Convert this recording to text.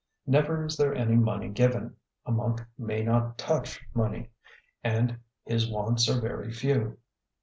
Never is there any money given: a monk may not touch money, and his wants are very few.